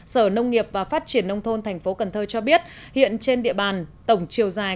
sở nông nghiệp và phát triển nông thôn thành phố cần thơ cho biết hiện trên địa bàn tổng chiều dài